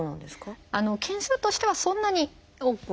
件数としてはそんなに多くは。